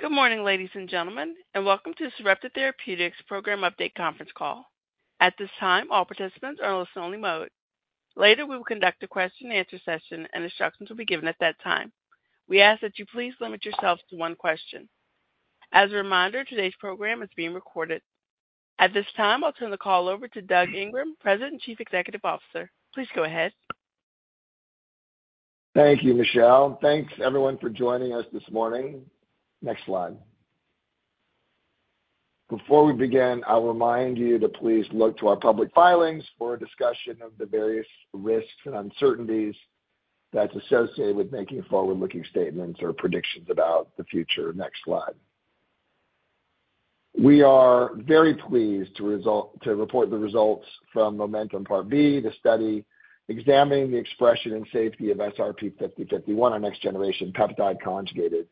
Good morning, ladies and gentlemen, and welcome to Sarepta Therapeutics Program Update Conference Call. At this time, all participants are in listen-only mode. Later, we will conduct a question-and-answer session, and instructions will be given at that time. We ask that you please limit yourselves to one question. As a reminder, today's program is being recorded. At this time, I'll turn the call over to Doug Ingram, President and Chief Executive Officer. Please go ahead. Thank you, Michelle. Thanks everyone for joining us this morning. Next slide. Before we begin, I'll remind you to please look to our public filings for a discussion of the various risks and uncertainties that's associated with making forward-looking statements or predictions about the future. Next slide. We are very pleased to report the results from MOMENTUM Part B, the study examining the expression and safety of SRP-5051, our next-generation peptide conjugated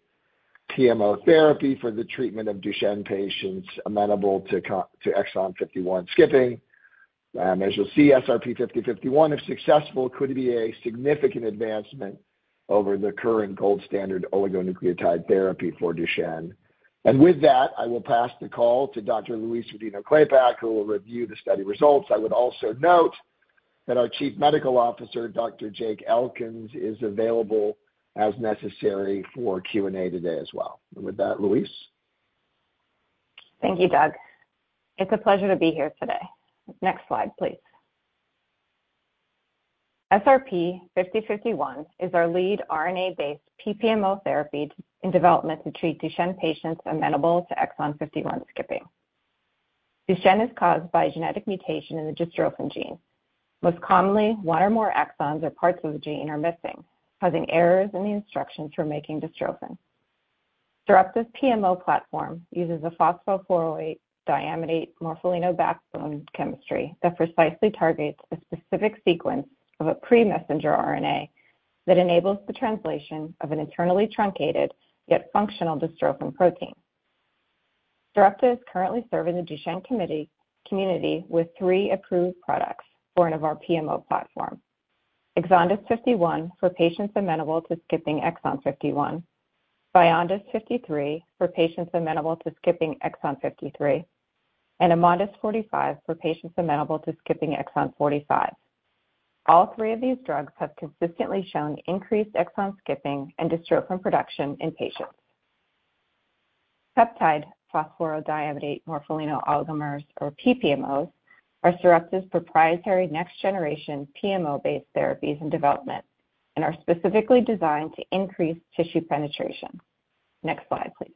PMO therapy for the treatment of Duchenne patients amenable to exon 51 skipping. As you'll see, SRP-5051, if successful, could be a significant advancement over the current gold standard oligonucleotide therapy for Duchenne. And with that, I will pass the call to Dr. Louise Rodino-Klapac, who will review the study results. I would also note that our Chief Medical Officer, Dr. Jake Elkins, is available as necessary for Q&A today as well. With that, Louise? Thank you, Doug. It's a pleasure to be here today. Next slide, please. SRP-5051 is our lead RNA-based PPMO therapy in development to treat Duchenne patients amenable to exon 51 skipping. Duchenne is caused by a genetic mutation in the dystrophin gene. Most commonly, one or more exons or parts of the gene are missing, causing errors in the instructions for making dystrophin. Sarepta's PMO platform uses a phosphorodiamidate morpholino backbone chemistry that precisely targets a specific sequence of a pre-messenger RNA that enables the translation of an internally truncated, yet functional dystrophin protein. Sarepta is currently serving the Duchenne community with three approved products from our PMO platform: EXONDYS 51 for patients amenable to skipping exon 51, VYONDYS 53 for patients amenable to skipping exon 53, and AMONDYS 45 for patients amenable to skipping exon 45. All three of these drugs have consistently shown increased exon skipping and dystrophin production in patients. Peptide phosphorodiamidate morpholino oligomers, or PPMOs, are Sarepta's proprietary next-generation PMO-based therapies and development, and are specifically designed to increase tissue penetration. Next slide, please.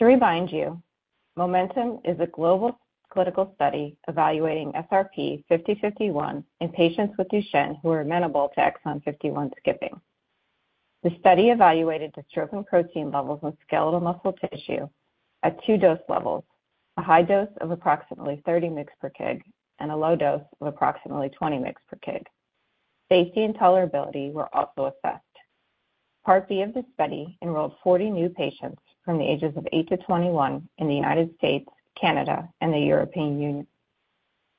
To remind you, MOMENTUM is a global clinical study evaluating SRP-5051 in patients with Duchenne who are amenable to exon 51 skipping. The study evaluated dystrophin protein levels in skeletal muscle tissue at two dose levels, a high dose of approximately 30 mg/kg and a low dose of approximately 20 mg/kg. Safety and tolerability were also assessed. Part B of the study enrolled 40 new patients from the ages of 8-21 in the United States, Canada, and the European Union.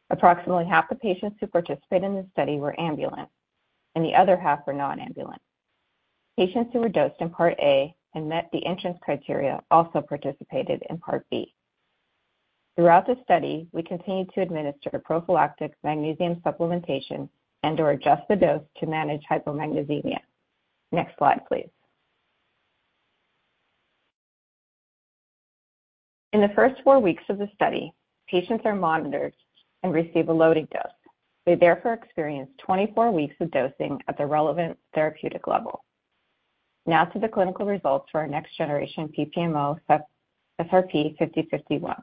Approximately half the patients who participated in the study were ambulant, and the other half were non-ambulant. Patients who were dosed in Part A and met the entrance criteria also participated in Part B. Throughout the study, we continued to administer prophylactic magnesium supplementation and/or adjust the dose to manage hypomagnesemia. Next slide, please. In the first four weeks of the study, patients are monitored and receive a loading dose. They therefore experience 24 weeks of dosing at the relevant therapeutic level. Now to the clinical results for our next generation PPMO, SRP-5051.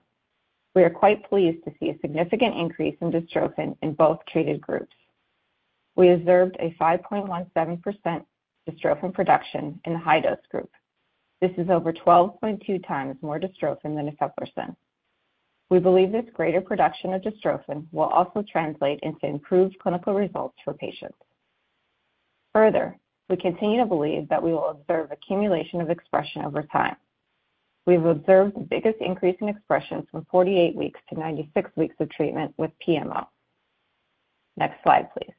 We are quite pleased to see a significant increase in dystrophin in both treated groups. We observed a 5.17% dystrophin production in the high dose group. This is over 12.2 times more dystrophin than eteplirsen. We believe this greater production of dystrophin will also translate into improved clinical results for patients. Further, we continue to believe that we will observe accumulation of expression over time. We've observed the biggest increase in expression from 48 weeks to 96 weeks of treatment with PMO. Next slide, please.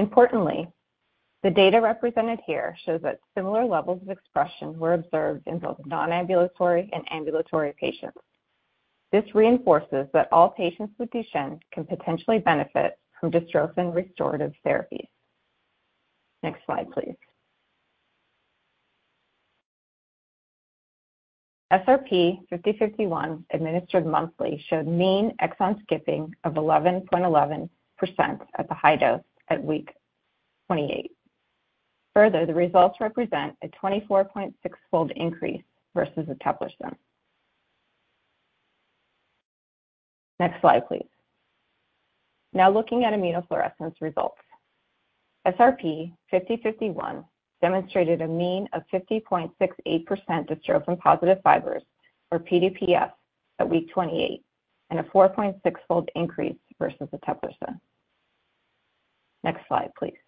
Importantly, the data represented here shows that similar levels of expression were observed in both non-ambulatory and ambulatory patients. This reinforces that all patients with Duchenne can potentially benefit from dystrophin restorative therapies. Next slide, please. SRP-5051, administered monthly, showed mean exon skipping of 11.11% at the high dose at week 28. Further, the results represent a 24.6-fold increase versus eteplirsen. Next slide, please. Now looking at immunofluorescence results. SRP-5051 demonstrated a mean of 50.68% dystrophin positive fibers, or PDPF, at week 28 and a 4.6-fold increase versus eteplirsen. Next slide, please.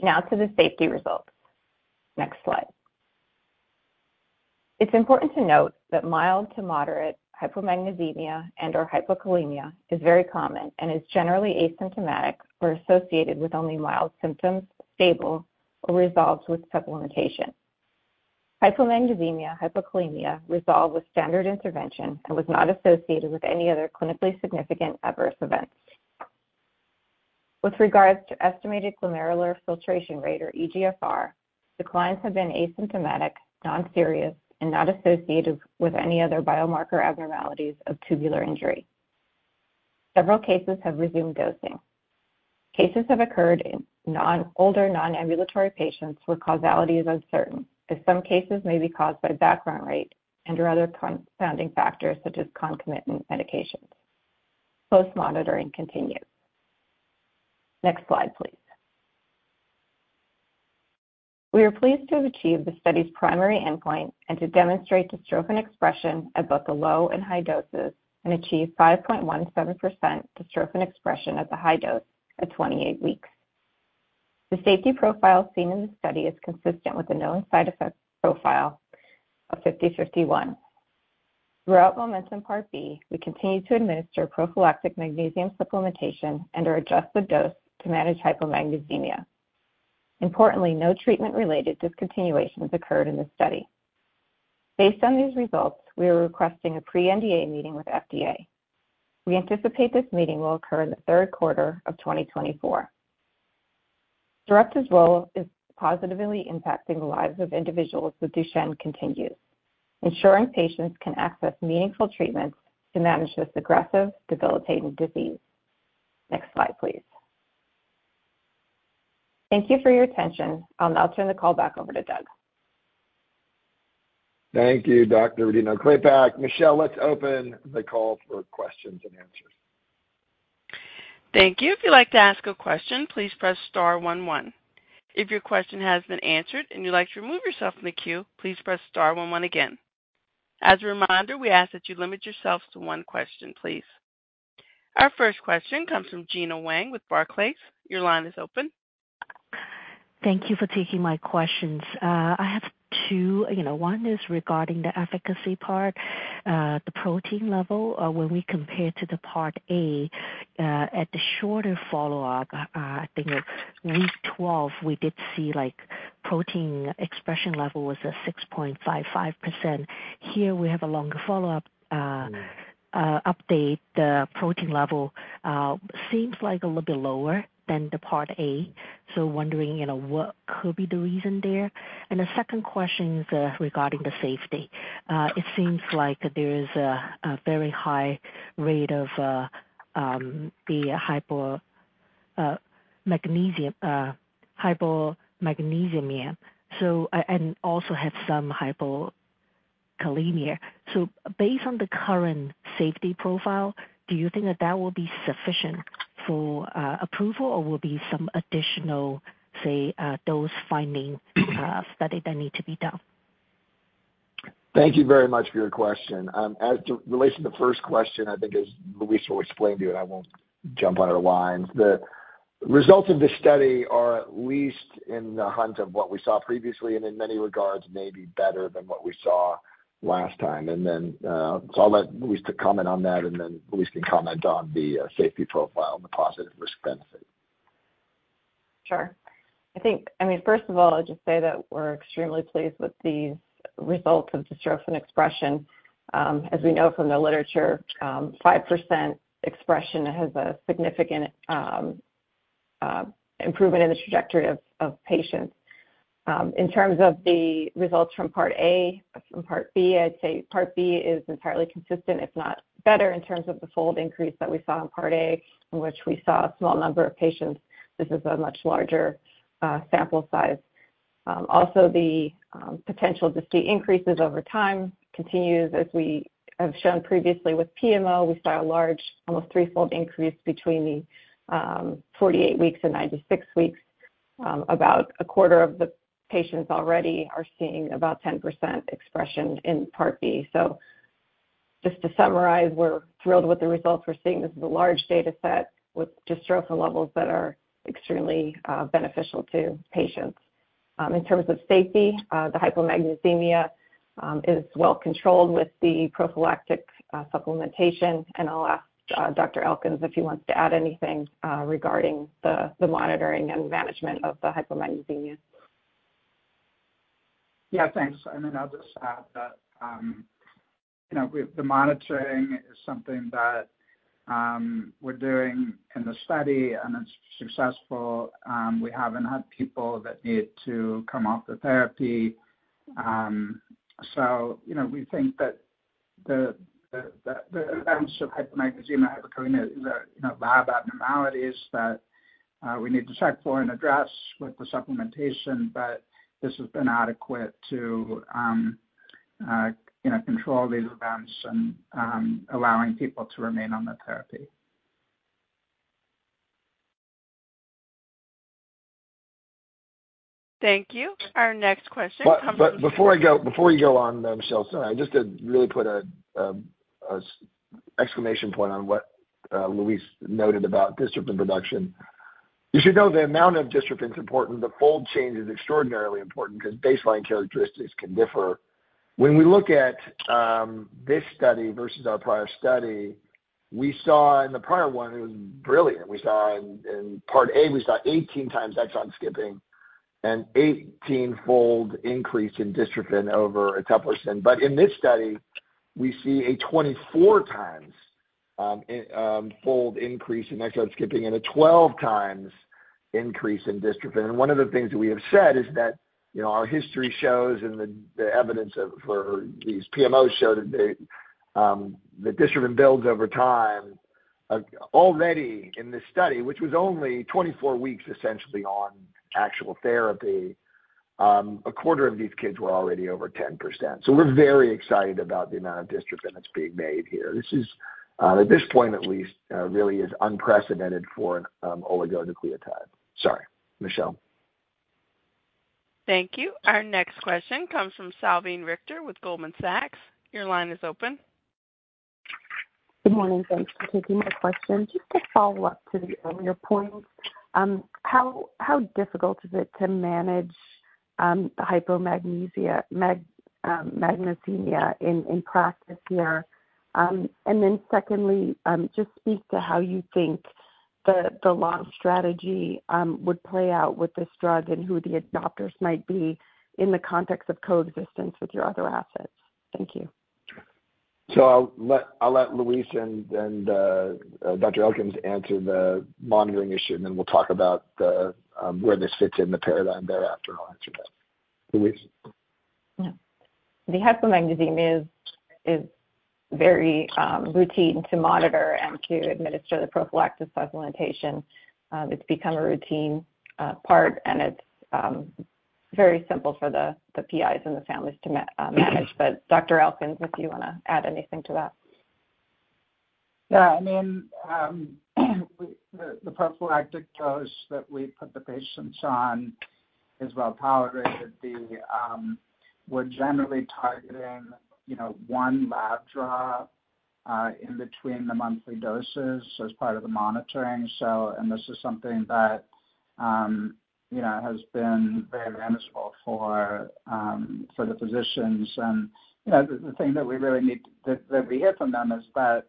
Now to the safety results. Next slide. It's important to note that mild to moderate hypomagnesemia and/or hypokalemia is very common and is generally asymptomatic or associated with only mild symptoms, stable, or resolves with supplementation. Hypomagnesemia, hypokalemia resolved with standard intervention and was not associated with any other clinically significant adverse events. With regards to estimated glomerular filtration rate, or eGFR, declines have been asymptomatic, non-serious, and not associated with any other biomarker abnormalities of tubular injury. Several cases have resumed dosing. Cases have occurred in non-older non-ambulatory patients where causality is uncertain, as some cases may be caused by background rate and/or other confounding factors, such as concomitant medications. Close monitoring continues. Next slide, please. We are pleased to have achieved the study's primary endpoint and to demonstrate dystrophin expression at both the low and high doses and achieve 5.17% dystrophin expression at the high dose at 28 weeks. The safety profile seen in the study is consistent with the known side effects profile of SRP-5051. Throughout MOMENTUM Part B, we continued to administer prophylactic magnesium supplementation and/or adjust the dose to manage hypomagnesemia. Importantly, no treatment-related discontinuations occurred in this study. Based on these results, we are requesting a pre-NDA meeting with FDA. We anticipate this meeting will occur in the third quarter of 2024. Sarepta's role is positively impacting the lives of individuals with Duchenne continues, ensuring patients can access meaningful treatments to manage this aggressive, debilitating disease. Next slide, please. Thank you for your attention. I'll now turn the call back over to Doug. Thank you, Dr. Rodino-Klapac. Michelle, let's open the call for questions and answers. Thank you. If you'd like to ask a question, please press star one one. If your question has been answered and you'd like to remove yourself from the queue, please press star one one again. As a reminder, we ask that you limit yourself to one question, please. Our first question comes from Gena Wang with Barclays. Your line is open. Thank you for taking my questions. I have two. You know, one is regarding the efficacy part, the protein level. When we compare to the Part A, at the shorter follow-up, I think at week 12, we did see, like, protein expression level was at 6.55%. Here we have a longer follow-up, update. The protein level, seems like a little bit lower than the Part A. So wondering, you know, what could be the reason there? And the second question is, regarding the safety. It seems like there is a, a very high rate of, the hypo, magnesium, hypomagnesemia, so and, and also have some hypokalemia. Based on the current safety profile, do you think that that will be sufficient for approval, or will be some additional, say, those findings, study that need to be done? Thank you very much for your question. As to relating to the first question, I think as Louise will explain to you, and I won't jump on her lines. The results of this study are at least in the hunt of what we saw previously, and in many regards, may be better than what we saw last time. And then, so I'll let Louise comment on that, and then Louise can comment on the safety profile and the positive risk-benefit. Sure. I think I mean, first of all, I'd just say that we're extremely pleased with these results of dystrophin expression. As we know from the literature, 5% expression has a significant improvement in the trajectory of patients. In terms of the results from Part A and Part B, I'd say Part B is entirely consistent, if not better, in terms of the fold increase that we saw in Part A, in which we saw a small number of patients. This is a much larger sample size. Also the potential to see increases over time continues. As we have shown previously with PMO, we saw a large, almost threefold increase between the 48 weeks and 96 weeks. About a quarter of the patients already are seeing about 10% expression in Part B. So just to summarize, we're thrilled with the results we're seeing. This is a large data set with dystrophin levels that are extremely beneficial to patients. In terms of safety, the hypomagnesemia is well controlled with the prophylactic supplementation, and I'll ask Dr. Elkins if he wants to add anything regarding the monitoring and management of the hypomagnesemia. Yeah, thanks. And then I'll just add that, you know, the monitoring is something that, we're doing in the study, and it's successful. We haven't had people that need to come off the therapy. So, you know, we think that the events of hypomagnesemia and hypokalemia are, you know, lab abnormalities that, we need to check for and address with the supplementation, but this has been adequate to, you know, control these events and, allowing people to remain on the therapy. Thank you. Our next question comes from- But before I go, before you go on, Michelle, just to really put a a exclamation point on what Louise noted about dystrophin production. You should know the amount of dystrophin is important. The fold change is extraordinarily important because baseline characteristics can differ. When we look at this study versus our prior study, we saw in the prior one, it was brilliant. We saw in part A, we saw 18 times exon skipping and 18-fold increase in dystrophin over eteplirsen. But in this study, we see a 24-fold increase in exon skipping and a 12 times increase in dystrophin. And one of the things that we have said is that, you know, our history shows and the evidence for these PMOs show that the dystrophin builds over time. Already in this study, which was only 24 weeks, essentially on actual therapy, a quarter of these kids were already over 10%. So we're very excited about the amount of dystrophin that's being made here. This is, at this point, at least, really is unprecedented for, oligonucleotide. Sorry, Michelle. Thank you. Our next question comes from Salveen Richter with Goldman Sachs. Your line is open. Good morning. Thanks for taking my question. Just to follow up to the earlier point, how difficult is it to manage the hypomagnesemia in practice here? And then secondly, just speak to how you think the long strategy would play out with this drug and who the adopters might be in the context of coexistence with your other assets. Thank you. I'll let Louise and Dr. Elkins answer the monitoring issue, and then we'll talk about where this fits in the paradigm thereafter. I'll answer that. Louise? Yeah. The hypomagnesemia is very routine to monitor and to administer the prophylactic supplementation. It's become a routine part, and it's very simple for the PIs and the families to manage. But Dr. Elkins, if you want to add anything to that. Yeah, I mean, the prophylactic dose that we put the patients on is well tolerated. We're generally targeting, you know, one lab draw in between the monthly doses as part of the monitoring. So. And this is something that, you know, has been very manageable for the physicians. And, you know, the thing that we hear from them is that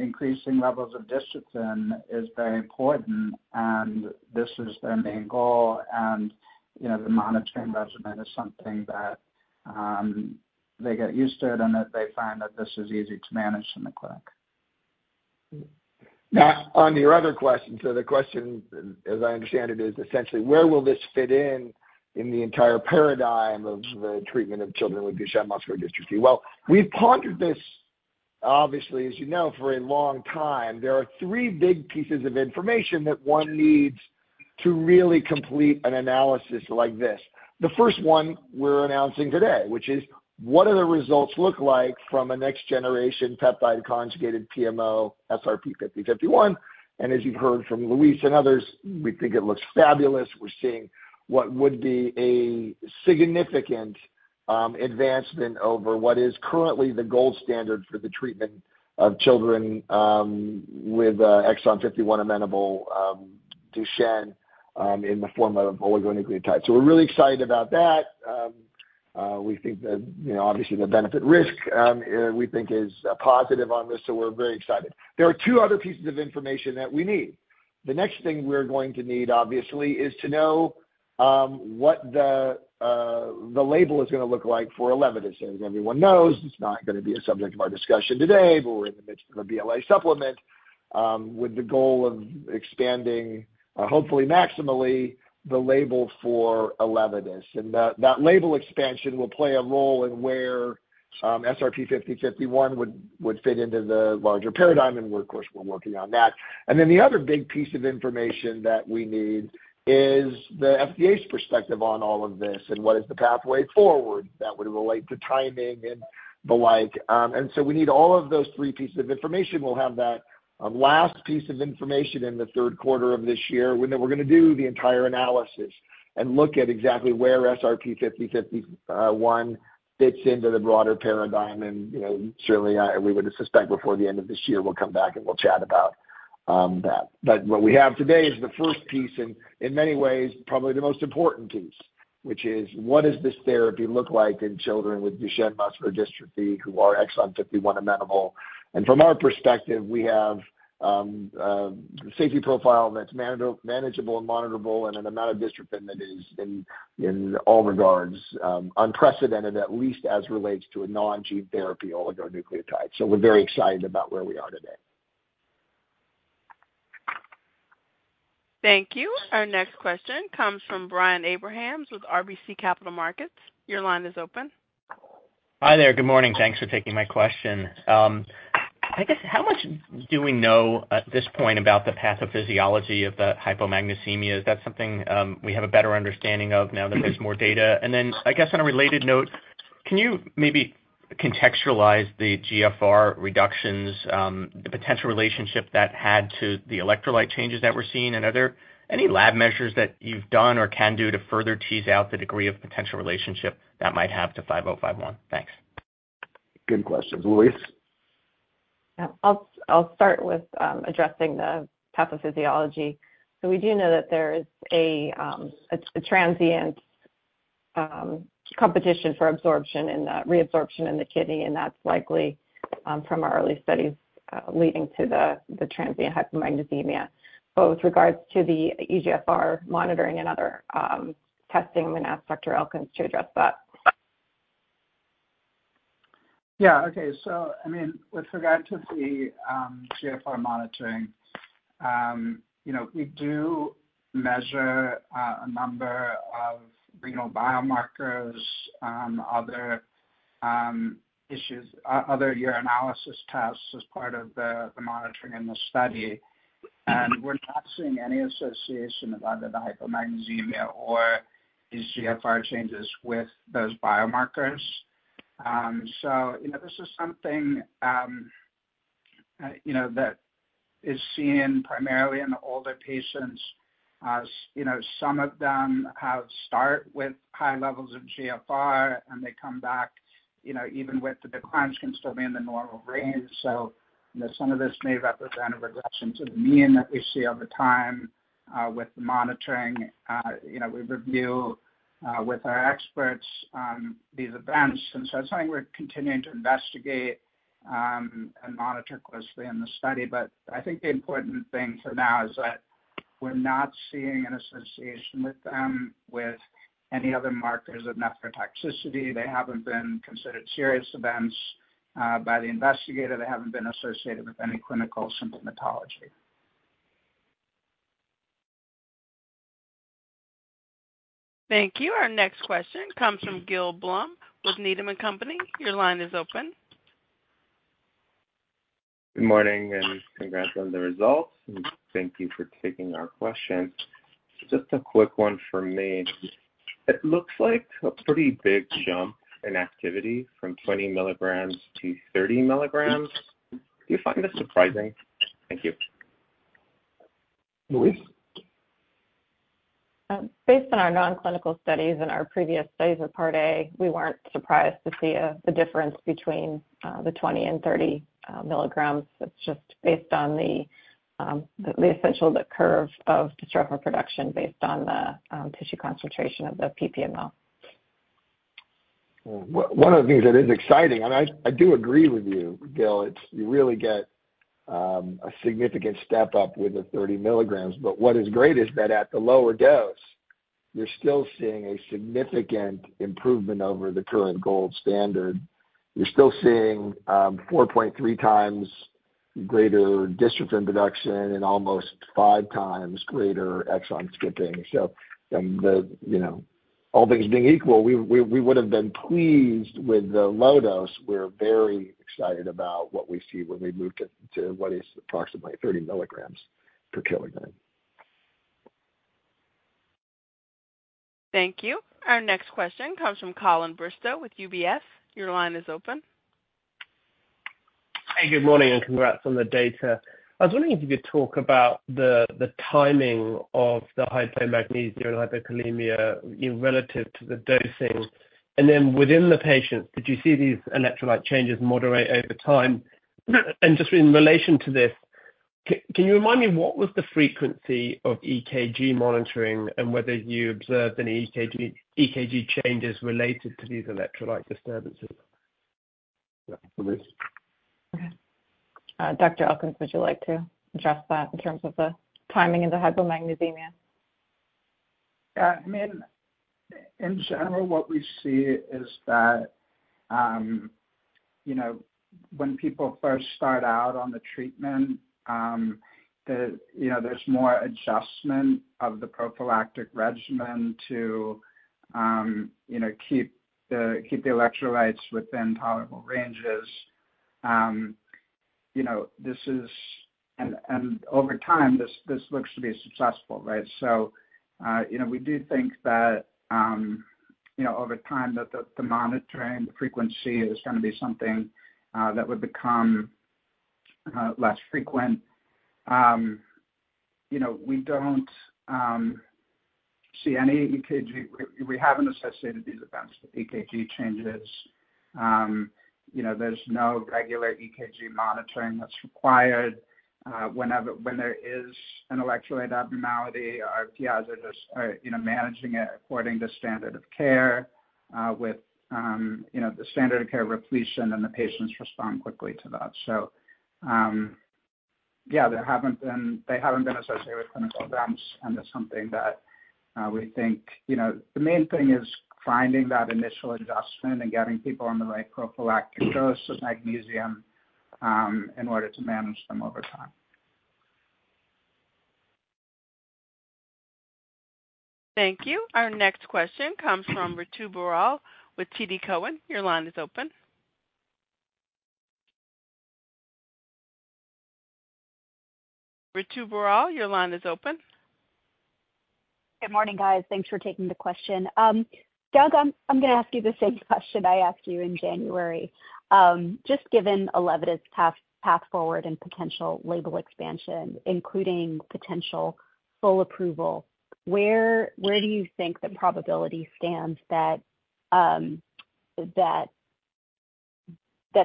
increasing levels of dystrophin is very important, and this is their main goal. And, you know, the monitoring regimen is something that they get used to it and that they find that this is easy to manage in the clinic. Now, on your other question, so the question, as I understand it, is essentially, where will this fit in in the entire paradigm of the treatment of children with Duchenne muscular dystrophy? Well, we've pondered this, obviously, as you know, for a long time. There are three big pieces of information that one needs to really complete an analysis like this. The first one we're announcing today, which is, what do the results look like from a next-generation peptide conjugated PMO, SRP-5051? As you've heard from Louise and others, we think it looks fabulous. We're seeing what would be a significant advancement over what is currently the gold standard for the treatment of children with exon 51 amenable Duchenne in the form of oligonucleotide. So we're really excited about that. We think that, you know, obviously, the benefit risk, we think is positive on this, so we're very excited. There are two other pieces of information that we need. The next thing we're going to need, obviously, is to know what the, the label is gonna look like for ELEVIDYS. As everyone knows, it's not gonna be a subject of our discussion today, but we're in the midst of a BLA supplement, with the goal of expanding, hopefully maximally, the label for ELEVIDYS. And that, that label expansion will play a role in where SRP-5051 would, would fit into the larger paradigm, and we're, of course, we're working on that. Then the other big piece of information that we need is the FDA's perspective on all of this, and what is the pathway forward that would relate to timing and the like. And so we need all of those three pieces of information. We'll have that last piece of information in the third quarter of this year, when we're gonna do the entire analysis and look at exactly where SRP-5051 fits into the broader paradigm. And, you know, certainly, we would suspect before the end of this year, we'll come back, and we'll chat about that. But what we have today is the first piece, and in many ways, probably the most important piece, which is: What does this therapy look like in children with Duchenne muscular dystrophy who are exon 51 amenable? From our perspective, we have a safety profile that's manageable and monitorable and an amount of dystrophin that is in all regards unprecedented, at least as relates to a non-gene therapy oligonucleotide. So we're very excited about where we are today. Thank you. Our next question comes from Brian Abrahams with RBC Capital Markets. Your line is open. Hi there. Good morning. Thanks for taking my question. I guess, how much do we know at this point about the pathophysiology of the hypomagnesemia? Is that something, we have a better understanding of now that there's more data? And then, I guess, on a related note-... Can you maybe contextualize the GFR reductions, the potential relationship that had to the electrolyte changes that we're seeing? And are there any lab measures that you've done or can do to further tease out the degree of potential relationship that might have to SRP-5051? Thanks. Good question. Louise? Yeah, I'll start with addressing the pathophysiology. So we do know that there is a transient competition for absorption in the reabsorption in the kidney, and that's likely from our early studies leading to the transient hypomagnesemia. But with regards to the eGFR monitoring and other testing, I'm going to ask Dr. Elkins to address that. Yeah. Okay. So, I mean, with regard to the GFR monitoring, you know, we do measure a number of renal biomarkers, other issues, other urinalysis tests as part of the monitoring in the study. And we're not seeing any association of either the hypomagnesemia or these GFR changes with those biomarkers. So, you know, this is something, you know, that is seen primarily in older patients. As you know, some of them have start with high levels of GFR, and they come back, you know, even with the declines, can still be in the normal range. So, you know, some of this may represent a regression to the mean that we see over time with the monitoring. You know, we review with our experts on these events. So it's something we're continuing to investigate and monitor closely in the study. But I think the important thing for now is that we're not seeing an association with them, with any other markers of nephrotoxicity. They haven't been considered serious events by the investigator. They haven't been associated with any clinical symptomatology. Thank you. Our next question comes from Gil Blum with Needham and Company. Your line is open. Good morning, and congrats on the results, and thank you for taking our question. Just a quick one for me. It looks like a pretty big jump in activity from 20mg-30mg. Do you find this surprising? Thank you. Louise? Based on our non-clinical studies and our previous studies of Part A, we weren't surprised to see the difference between the 20 and 30mg. It's just based on the essential curve of dystrophin production based on the tissue concentration of the PPMO. Well, one of the things that is exciting, and I do agree with you, Gil, it's you really get a significant step up with the 30mg. But what is great is that at the lower dose, you're still seeing a significant improvement over the current gold standard. You're still seeing 4.3 times greater dystrophin production and almost five times greater exon skipping. So from the, you know, all things being equal, we would have been pleased with the low dose. We're very excited about what we see when we move to what is approximately 30mg/kg. Thank you. Our next question comes from Colin Bristow with UBS. Your line is open. Hey, good morning, and congrats on the data. I was wondering if you could talk about the timing of the hypomagnesemia and hypokalemia, you know, relative to the dosing. And then within the patients, did you see these electrolyte changes moderate over time? And just in relation to this, can you remind me what was the frequency of EKG monitoring, and whether you observed any EKG changes related to these electrolyte disturbances? Yeah, Louise? Dr. Elkins, would you like to address that in terms of the timing of the hypomagnesemia? Yeah, I mean, in general, what we see is that, you know, when people first start out on the treatment, the, you know, there's more adjustment of the prophylactic regimen to, you know, keep the electrolytes within tolerable ranges. You know, this is. And over time, this looks to be successful, right? So, you know, we do think that, you know, over time, that the monitoring, the frequency is gonna be something that would become less frequent. You know, we don't see any EKG. We haven't associated these events with EKG changes. You know, there's no regular EKG monitoring that's required. Whenever there is an electrolyte abnormality, our PIs are just, you know, managing it according to standard of care, with, you know, the standard of care repletion, and the patients respond quickly to that. So, yeah, they haven't been, they haven't been associated with clinical events, and that's something that, we think, you know, the main thing is finding that initial adjustment and getting people on the right prophylactic dose of magnesium, in order to manage them over time. Thank you. Our next question comes from Ritu Baral with TD Cowen. Your line is open. Ritu Baral, your line is open. Good morning, guys. Thanks for taking the question. Doug, I'm gonna ask you the same question I asked you in January. Just given ELEVIDYS path forward and potential label expansion, including potential full approval, where do you think the probability stands that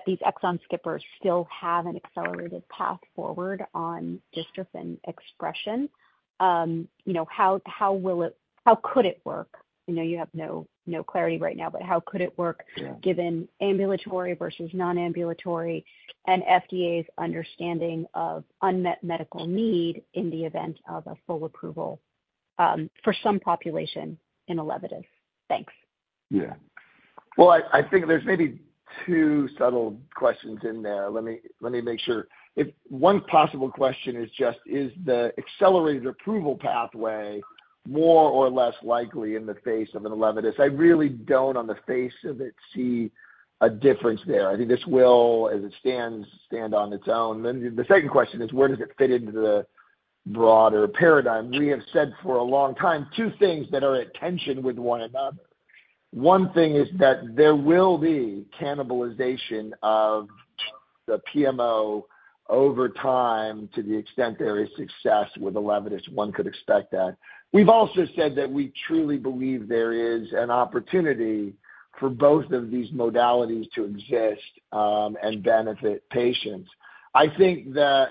these exon skippers still have an accelerated path forward on dystrophin expression? You know, how will it- how could it work? I know you have no clarity right now, but how could it work- Yeah. given ambulatory versus nonambulatory and FDA's understanding of unmet medical need in the event of a full approval, for some population in ELEVIDYS? Thanks. Yeah. Well, I, I think there's maybe two subtle questions in there. Let me, let me make sure. If one possible question is just, is the accelerated approval pathway more or less likely in the face of ELEVIDYS? I really don't, on the face of it, see a difference there. I think this will, as it stands, stand on its own. Then the second question is, where does it fit into the broader paradigm? We have said for a long time two things that are at tension with one another. One thing is that there will be cannibalization of the PMO over time to the extent there is success with ELEVIDYS, one could expect that. We've also said that we truly believe there is an opportunity for both of these modalities to exist, and benefit patients. I think that...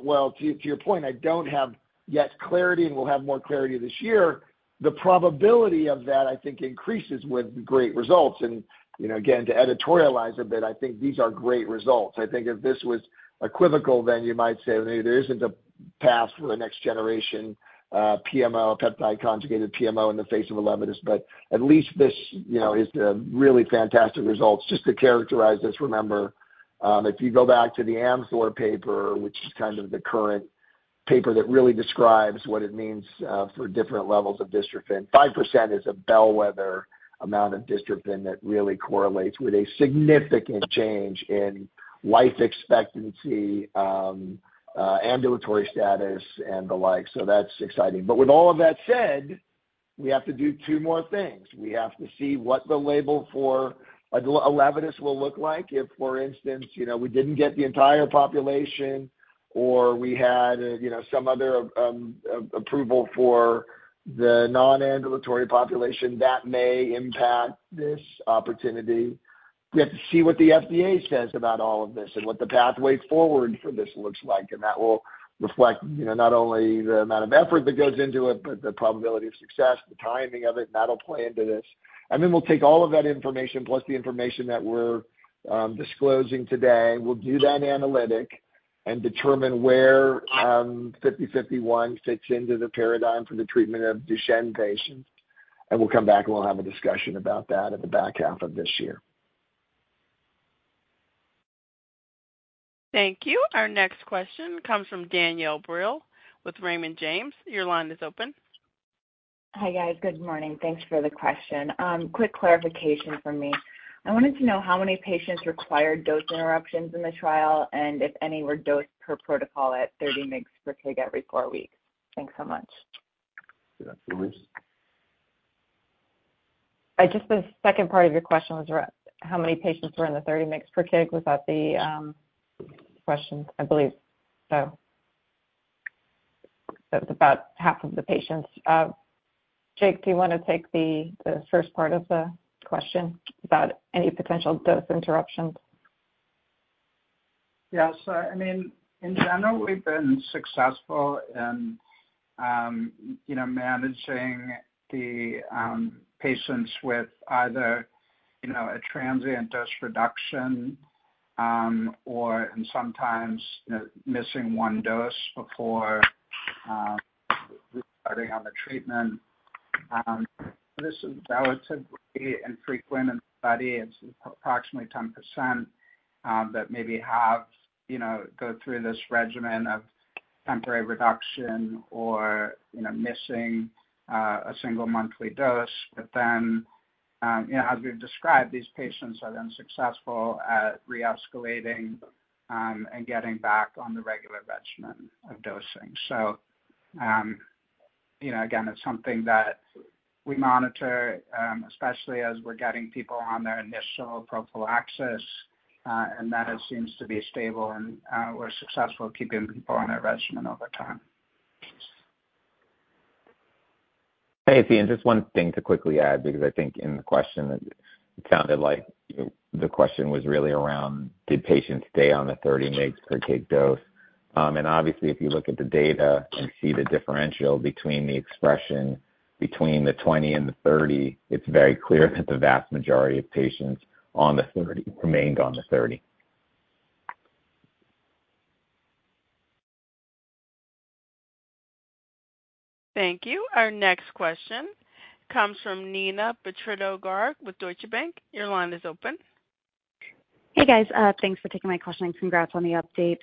Well, to your point, I don't have yet clarity, and we'll have more clarity this year. The probability of that, I think, increases with great results. And, you know, again, to editorialize a bit, I think these are great results. I think if this was equivocal, then you might say, maybe there isn't a path for the next generation, PMO, peptide conjugated PMO, in the face of ELEVIDYS. But at least this, you know, is really fantastic results. Just to characterize this, remember, if you go back to the Aartsma-Rus paper, which is kind of the current paper that really describes what it means for different levels of dystrophin, 5% is a bellwether amount of dystrophin that really correlates with a significant change in life expectancy, ambulatory status, and the like, so that's exciting. But with all of that said, we have to do two more things. We have to see what the label for ELEVIDYS will look like. If, for instance, you know, we didn't get the entire population or we had, you know, some other, approval for the nonambulatory population, that may impact this opportunity. We have to see what the FDA says about all of this and what the pathway forward for this looks like, and that will reflect, you know, not only the amount of effort that goes into it, but the probability of success, the timing of it, and that'll play into this. And then we'll take all of that information, plus the information that we're disclosing today. We'll do that analytic and determine where 5051 fits into the paradigm for the treatment of Duchenne patients, and we'll come back, and we'll have a discussion about that in the back half of this year. Thank you. Our next question comes from Danielle Brill with Raymond James. Your line is open. Hi, guys. Good morning. Thanks for the question. Quick clarification from me. I wanted to know how many patients required dose interruptions in the trial, and if any were dosed per protocol at 30 mg/kg every four weeks. Thanks so much. Yeah, Louise? Just the second part of your question was, how many patients were in the 30 mg/kg? Was that the question? I believe so. That's about half of the patients. Jake, do you want to take the first part of the question about any potential dose interruptions? Yes. So I mean, in general, we've been successful in, you know, managing the, patients with either, you know, a transient dose reduction, or, and sometimes, you know, missing one dose before, starting on the treatment. This is relatively infrequent in the study. It's approximately 10%, that maybe have, you know, go through this regimen of temporary reduction or, you know, missing, a single monthly dose. But then, you know, as we've described, these patients are then successful at re-escalating, and getting back on the regular regimen of dosing. So, you know, again, it's something that we monitor, especially as we're getting people on their initial prophylaxis, and that it seems to be stable, and, we're successful keeping people on their regimen over time. Hey, Ian, just one thing to quickly add, because I think in the question it sounded like the question was really around, did patients stay on the 30 mg/kg dose? And obviously, if you look at the data and see the differential between the expression between the 20 and the 30, it's very clear that the vast majority of patients on the 30 remained on the 30. Thank you. Our next question comes from Nina Grygorenko with Deutsche Bank. Your line is open. Hey, guys. Thanks for taking my question, and congrats on the update.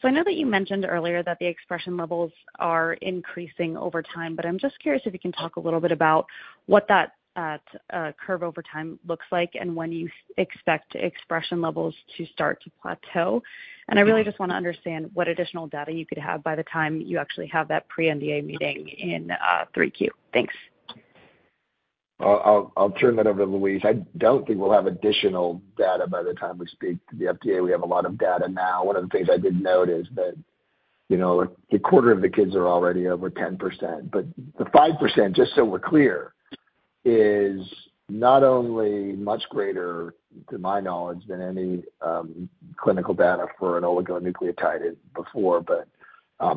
So I know that you mentioned earlier that the expression levels are increasing over time, but I'm just curious if you can talk a little bit about what that curve over time looks like and when you expect expression levels to start to plateau. And I really just want to understand what additional data you could have by the time you actually have that pre-NDA meeting in Q3. Thanks.... I'll turn that over to Louise. I don't think we'll have additional data by the time we speak to the FDA. We have a lot of data now. One of the things I did note is that, you know, a quarter of the kids are already over 10%. But the 5%, just so we're clear, is not only much greater, to my knowledge, than any clinical data for an oligonucleotide before, but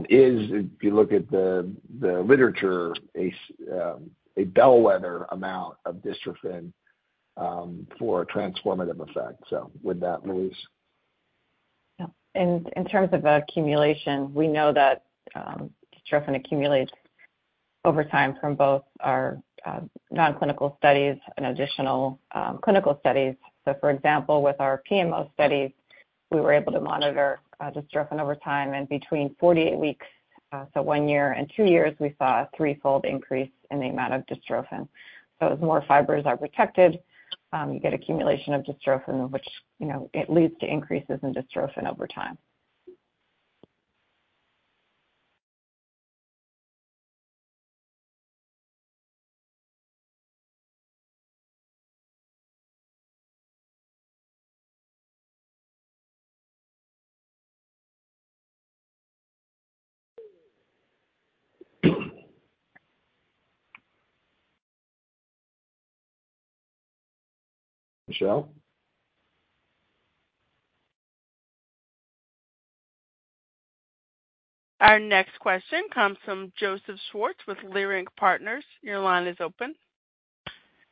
is, if you look at the literature, a bellwether amount of dystrophin for a transformative effect. So with that, Louise? Yeah. In terms of accumulation, we know that dystrophin accumulates over time from both our non-clinical studies and additional clinical studies. So for example, with our PMO studies, we were able to monitor dystrophin over time, and between 48 weeks, so one year and two years, we saw a threefold increase in the amount of dystrophin. So as more fibers are protected, you get accumulation of dystrophin, which, you know, it leads to increases in dystrophin over time. Michelle? Our next question comes from Joseph Schwartz with Leerink Partners. Your line is open.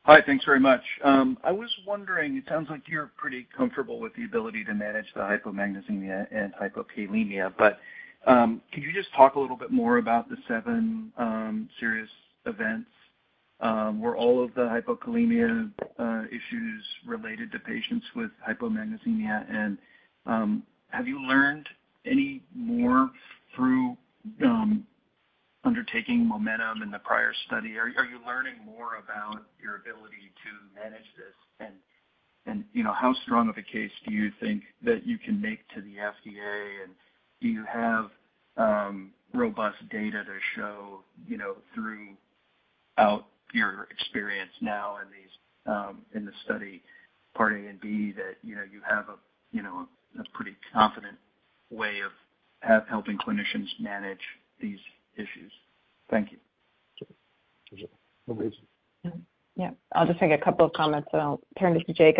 Hi, thanks very much. I was wondering, it sounds like you're pretty comfortable with the ability to manage the hypomagnesemia and hypokalemia, but, could you just talk a little bit more about the seven serious events? Were all of the hypokalemia issues related to patients with hypomagnesemia? And, have you learned any more through undertaking MOMENTUM in the prior study? Are you learning more about your ability to manage this? And, you know, how strong of a case do you think that you can make to the FDA? And do you have robust data to show, you know, throughout your experience now in these, in the study, Part A and B, that, you know, you have a, you know, a pretty confident way of helping clinicians manage these issues? Thank you. Okay. Go ahead. Yeah. I'll just make a couple of comments, and I'll turn it to Jake.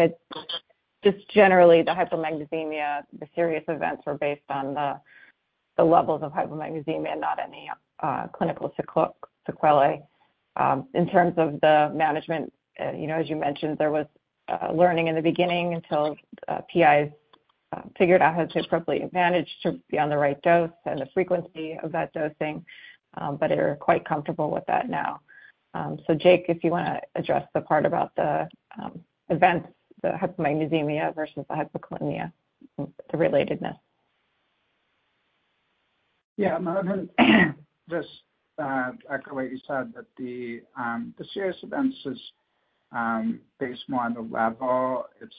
Just generally, the hypomagnesemia, the serious events were based on the levels of hypomagnesemia, not any clinical sequelae. In terms of the management, you know, as you mentioned, there was learning in the beginning until PIs figured out how to appropriately manage to be on the right dose and the frequency of that dosing, but they're quite comfortable with that now. So Jake, if you wanna address the part about the events, the hypomagnesemia versus the hypokalemia, the relatedness. Yeah, just echo what you said, that the serious events is based more on the level. It's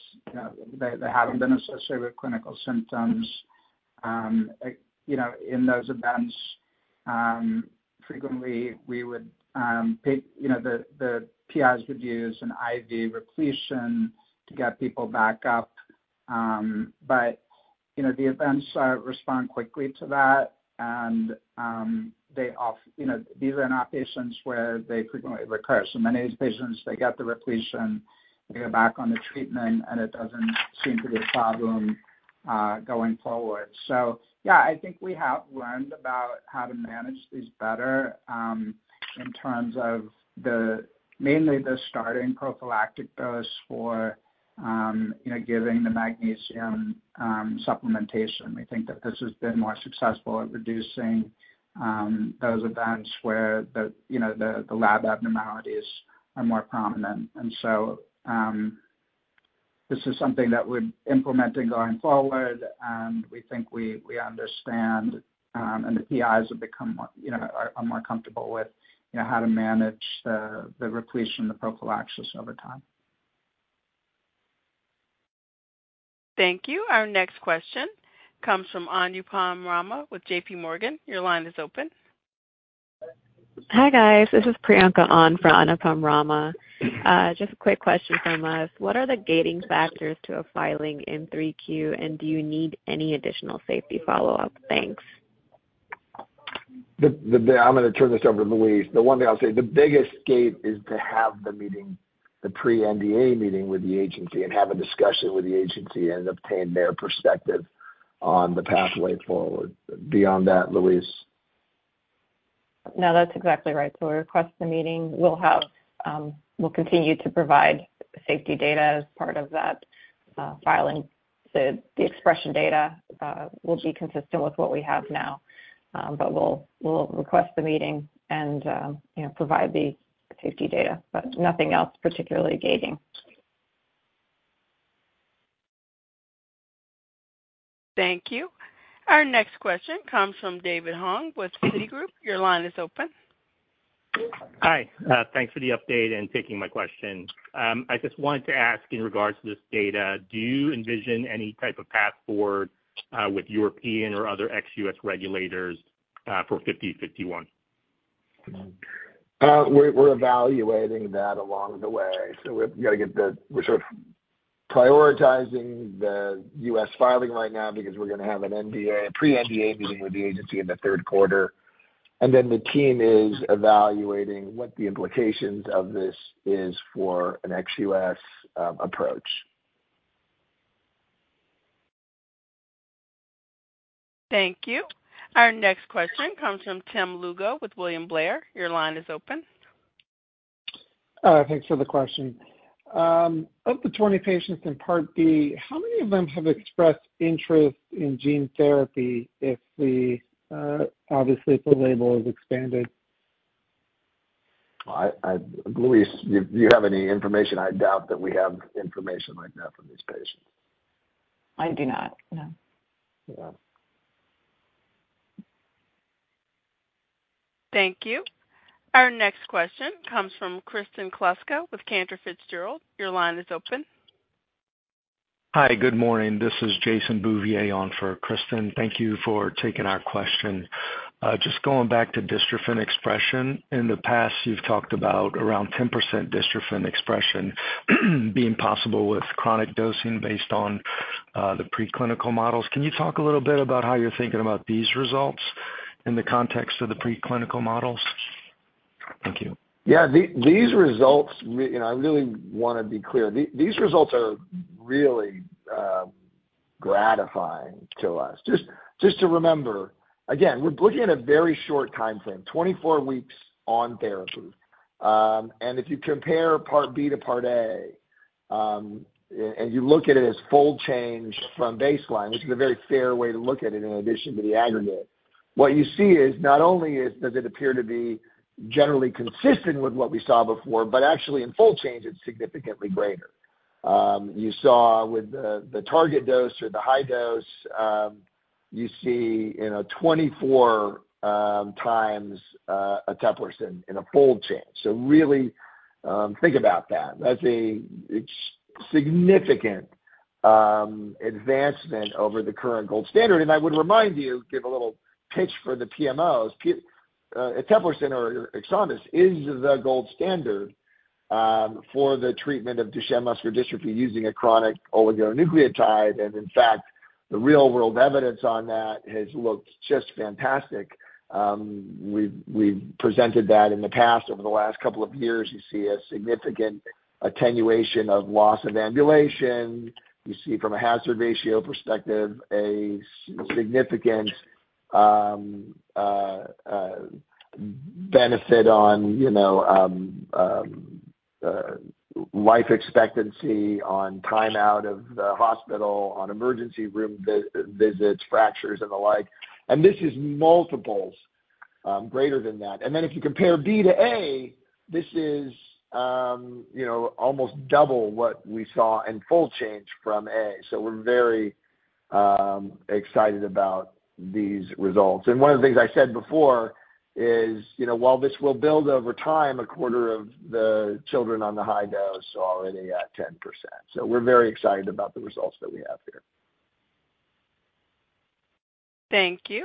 they, they haven't been associated with clinical symptoms. You know, in those events, frequently, we would pick. You know, the PIs would use an IV repletion to get people back up. But, you know, the events respond quickly to that, and they off. You know, these are not patients where they frequently recur. So many of these patients, they get the repletion, they go back on the treatment, and it doesn't seem to be a problem going forward. So yeah, I think we have learned about how to manage these better, in terms of the, mainly the starting prophylactic dose for, you know, giving the magnesium supplementation. We think that this has been more successful at reducing those events where, you know, the lab abnormalities are more prominent. So, this is something that we're implementing going forward, and we think we understand, and the PIs have become more, you know, are more comfortable with, you know, how to manage the repletion, the prophylaxis over time. Thank you. Our next question comes from Anupam Rama with JPMorgan. Your line is open. Hi, guys. This is Priyanka Anand from Anupam Rama. Just a quick question from us: What are the gating factors to a filing in Q3, and do you need any additional safety follow-up? Thanks. I'm gonna turn this over to Louise. The one thing I'll say, the biggest gate is to have the meeting, the pre-NDA meeting with the agency and have a discussion with the agency and obtain their perspective on the pathway forward. Beyond that, Louise? No, that's exactly right. So we request the meeting. We'll continue to provide safety data as part of that filing. The expression data will be consistent with what we have now, but we'll request the meeting and, you know, provide the safety data, but nothing else particularly gating. Thank you. Our next question comes from David Hong with Citigroup. Your line is open. Hi. Thanks for the update and taking my question. I just wanted to ask in regards to this data, do you envision any type of path forward, with European or other ex-US regulators?... for 50, 51? We're evaluating that along the way. So we're sort of prioritizing the U.S. filing right now because we're gonna have an NDA, a pre-NDA meeting with the agency in the third quarter. And then the team is evaluating what the implications of this is for an ex-U.S. approach. Thank you. Our next question comes from Tim Lugo with William Blair. Your line is open. Thanks for the question. Of the 20 patients in part B, how many of them have expressed interest in gene therapy if the, obviously, if the label is expanded? Louise, do you have any information? I doubt that we have information like that from these patients. I do not, no. Yeah. Thank you. Our next question comes from Kristen Kluska with Cantor Fitzgerald. Your line is open. Hi, good morning. This is Jason Bouvier on for Kristen. Thank you for taking our question. Just going back to Dystrophin expression. In the past, you've talked about around 10% Dystrophin expression being possible with chronic dosing based on the preclinical models. Can you talk a little bit about how you're thinking about these results in the context of the preclinical models? Thank you. Yeah, these results, you know, I really wanna be clear. These results are really gratifying to us. Just, just to remember, again, we're looking at a very short timeframe, 24 weeks on therapy. And if you compare part B to part A, and you look at it as fold change from baseline, which is a very fair way to look at it, in addition to the aggregate, what you see is not only is, does it appear to be generally consistent with what we saw before, but actually in fold change, it's significantly greater. You saw with the target dose or the high dose, you see, you know, 24 times eteplirsen in a fold change. So really, think about that. That's, it's significant advancement over the current gold standard. And I would remind you, give a little pitch for the PMOs, eteplirsen or EXONDYS is the gold standard, for the treatment of Duchenne muscular dystrophy using a chronic oligonucleotide. And in fact, the real world evidence on that has looked just fantastic. We've presented that in the past. Over the last couple of years, you see a significant attenuation of loss of ambulation. You see from a hazard ratio perspective, a significant benefit on, you know, life expectancy, on time out of the hospital, on emergency room visits, fractures and the like. And this is multiples greater than that. And then if you compare B to A, this is, you know, almost double what we saw in fold change from A. So we're very excited about these results. One of the things I said before is, you know, while this will build over time, a quarter of the children on the high dose are already at 10%. We're very excited about the results that we have here. Thank you.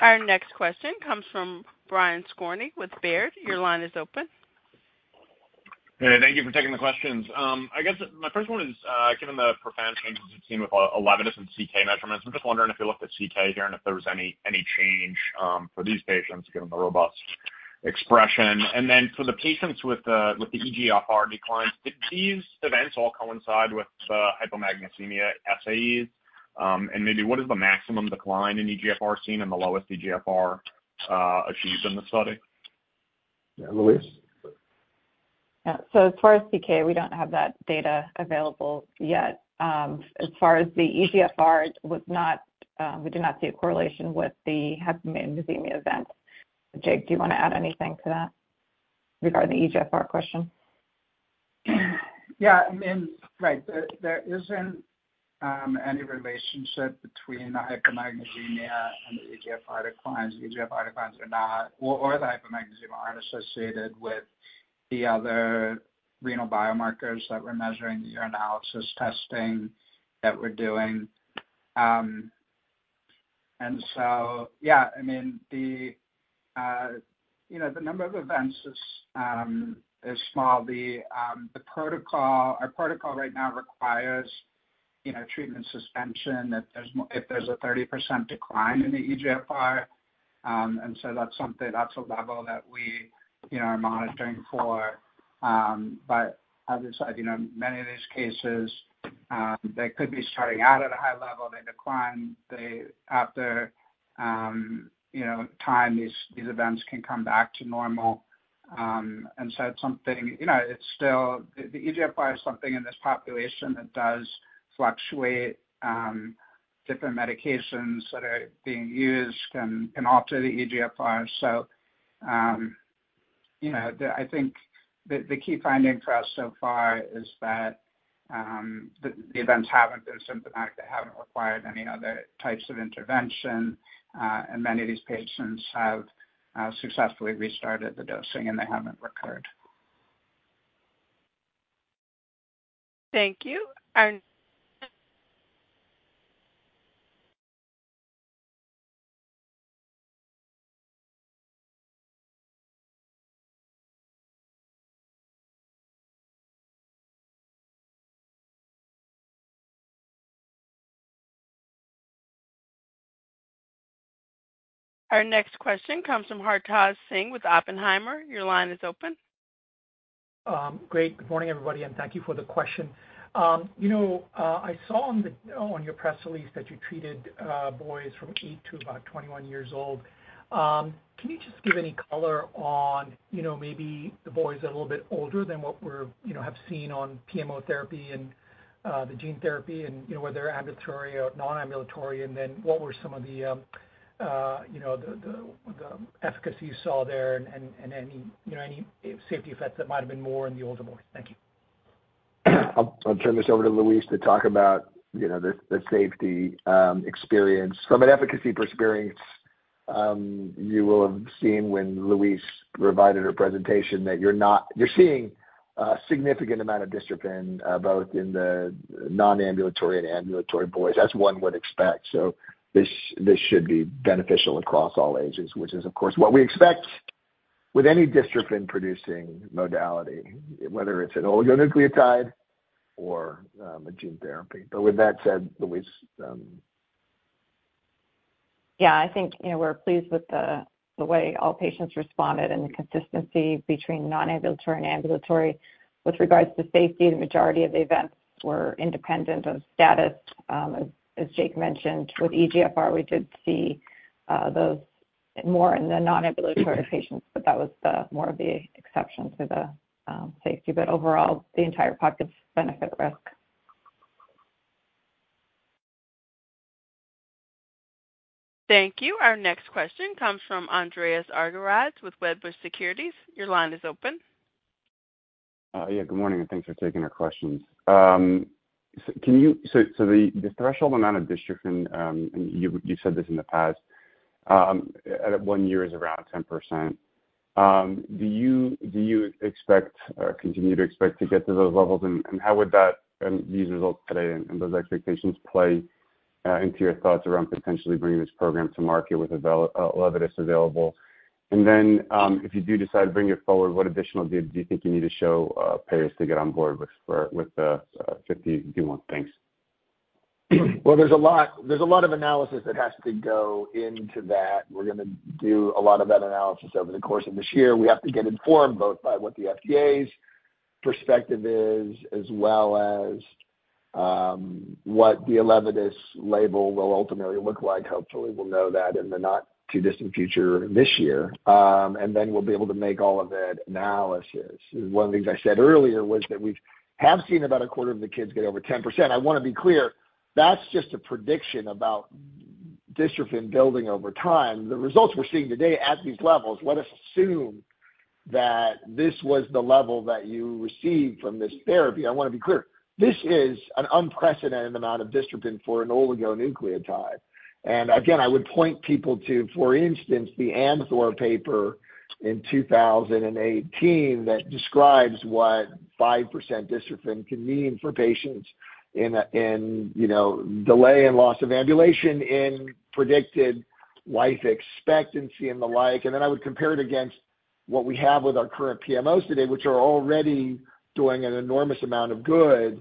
Our next question comes from Brian Skorney with Baird. Your line is open. Hey, thank you for taking the questions. I guess my first one is, given the profound changes you've seen with all 11 different CK measurements, I'm just wondering if you looked at CK here, and if there was any, any change, for these patients given the robust expression? And then for the patients with the, with the eGFR declines, did these events all coincide with, hypomagnesemia SAEs? And maybe what is the maximum decline in eGFR seen in the lowest eGFR, achieved in the study? Yeah, Louise? Yeah. So as far as CK, we don't have that data available yet. As far as the eGFR, it was not, we did not see a correlation with the hypomagnesemia events. Jake, do you wanna add anything to that regarding the eGFR question? Yeah, I mean, right, there, there isn't any relationship between the hypomagnesemia and the eGFR declines. The eGFR declines are not- or, or the hypomagnesemia aren't associated with the other renal biomarkers that we're measuring, the urinalysis testing that we're doing. And so, yeah, I mean, you know, the number of events is small. The protocol- our protocol right now requires, you know, treatment suspension if there's a 30% decline in the eGFR. And so that's something, that's a level that we, you know, are monitoring for. But other side, you know, many of these cases, they could be starting out at a high level, they decline, they, after, you know, time, these events can come back to normal. And so it's something, you know, it's still... The eGFR is something in this population that does fluctuate. Different medications that are being used can alter the eGFR. So, you know, the key finding for us so far is that the events haven't been symptomatic. They haven't required any other types of intervention, and many of these patients have successfully restarted the dosing, and they haven't recurred. Thank you. Our next question comes from Hartaj Singh with Oppenheimer. Your line is open. Great. Good morning, everybody, and thank you for the question. You know, I saw on the, on your press release that you treated boys from eight to about 21 years old. Can you just give any color on, you know, maybe the boys that are a little bit older than what we're, you know, have seen on PMO therapy and the gene therapy and, you know, whether they're ambulatory or non-ambulatory. And then what were some of the, you know, the efficacy you saw there and any safety effects that might have been more in the older boys? Thank you. I'll turn this over to Louise to talk about, you know, the safety experience. From an efficacy perspective, you will have seen when Louise provided her presentation, that you're seeing a significant amount of dystrophin, both in the non-ambulatory and ambulatory boys, as one would expect. So this should be beneficial across all ages, which is, of course, what we expect with any dystrophin-producing modality, whether it's an oligonucleotide or a gene therapy. But with that said, Louise. Yeah, I think, you know, we're pleased with the way all patients responded and the consistency between non-ambulatory and ambulatory. With regards to safety, the majority of the events were independent of status. As Jake mentioned, with eGFR, we did see those more in the non-ambulatory patients, but that was more of the exception to the safety. But overall, the entire pocket's benefit risk. Thank you. Our next question comes from Andreas Argyrides with Wedbush Securities. Your line is open. Yeah, good morning, and thanks for taking our questions. So, the threshold amount of dystrophin, and you said this in the past, at one year is around 10%. Do you expect or continue to expect to get to those levels? And how would that and these results today and those expectations play into your thoughts around potentially bringing this program to market with ELEVIDYS available? And then, if you do decide to bring it forward, what additional data do you think you need to show payers to get on board with the 51? Thanks. Well, there's a lot, there's a lot of analysis that has to go into that. We're gonna do a lot of that analysis over the course of this year. We have to get informed both by what the FDA's perspective is, as well as what the ELEVIDYS label will ultimately look like. Hopefully, we'll know that in the not-too-distant future this year, and then we'll be able to make all of the analysis. One of the things I said earlier was that we have seen about a quarter of the kids get over 10%. I wanna be clear, that's just a prediction about dystrophin building over time. The results we're seeing today at these levels, let us assume that this was the level that you received from this therapy. I wanna be clear, this is an unprecedented amount of dystrophin for an oligonucleotide. And again, I would point people to, for instance, the Amthor paper in 2018 that describes what 5% dystrophin can mean for patients in a, in, you know, delay and loss of ambulation, in predicted life expectancy and the like. And then I would compare it against what we have with our current PMOs today, which are already doing an enormous amount of good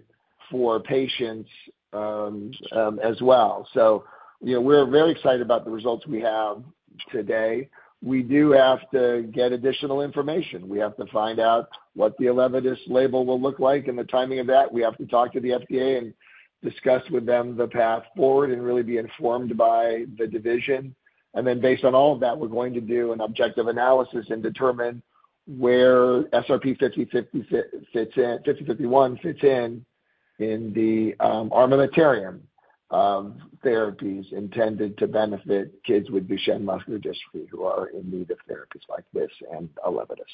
for patients, as well. So you know, we're very excited about the results we have today. We do have to get additional information. We have to find out what the ELEVIDYS label will look like and the timing of that. We have to talk to the FDA and discuss with them the path forward and really be informed by the division. And then based on all of that, we're going to do an objective analysis and determine where SRP-5051 fits in in the armamentarium, therapies intended to benefit kids with Duchenne muscular dystrophy who are in need of therapies like this and ELEVIDYS.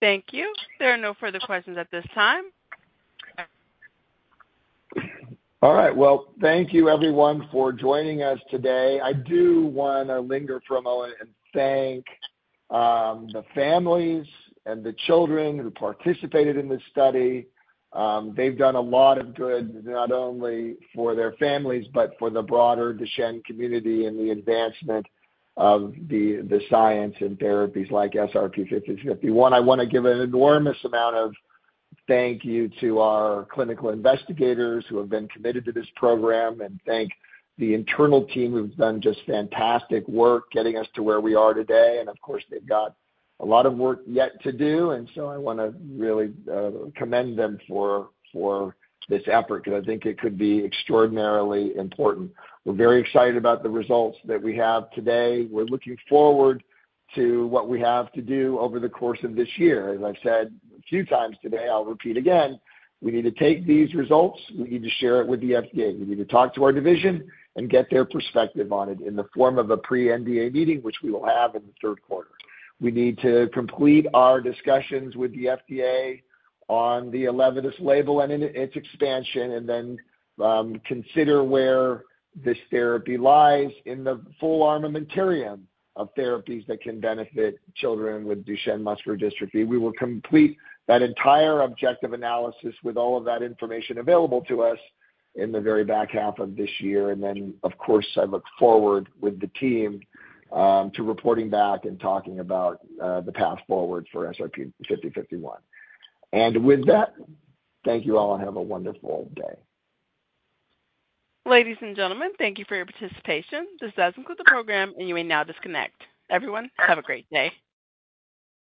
Thank you. There are no further questions at this time. All right. Well, thank you everyone for joining us today. I do wanna linger for a moment and thank the families and the children who participated in this study. They've done a lot of good, not only for their families, but for the broader Duchenne community and the advancement of the science and therapies like SRP-5051. I wanna give an enormous amount of thank you to our clinical investigators who have been committed to this program and thank the internal team who've done just fantastic work getting us to where we are today. And of course, they've got a lot of work yet to do, and so I wanna really commend them for this effort because I think it could be extraordinarily important. We're very excited about the results that we have today. We're looking forward to what we have to do over the course of this year. As I've said a few times today, I'll repeat again, we need to take these results, we need to share it with the FDA. We need to talk to our division and get their perspective on it in the form of a pre-NDA meeting, which we will have in the third quarter. We need to complete our discussions with the FDA on the ELEVIDYS label and in its expansion, and then, consider where this therapy lies in the full armamentarium of therapies that can benefit children with Duchenne muscular dystrophy. We will complete that entire objective analysis with all of that information available to us in the very back half of this year. And then, of course, I look forward with the team to reporting back and talking about the path forward for SRP-5051. And with that, thank you all, and have a wonderful day. Ladies and gentlemen, thank you for your participation. This does conclude the program, and you may now disconnect. Everyone, have a great day.